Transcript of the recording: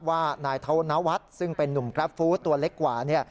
ว่านายธนวัฒน์ซึ่งเป็นนุ่มกราฟฟู้ตัวเล็กกว่าเนี่ย